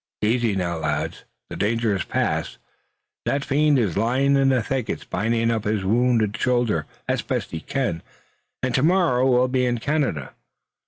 Easy now, lads! The danger has passed. That fiend is lying in the thicket binding up his wounded shoulder as best he can, and tomorrow we'll be in Canada.